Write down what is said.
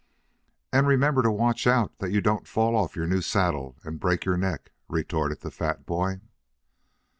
"And remember to watch out that you don't fall off your new saddle and break your neck," retorted the fat boy.